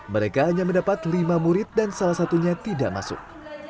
mereka hanya mendapat lima murid dan salah satunya tidak masuk